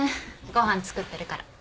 ご飯作ってるから。